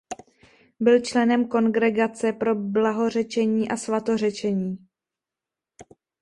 Byl členem Kongregace pro blahořečení a svatořečení.